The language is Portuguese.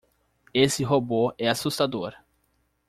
Esse robô é assustador!